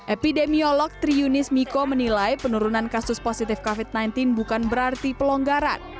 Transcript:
epidemiolog triunis miko menilai penurunan kasus positif covid sembilan belas bukan berarti pelonggaran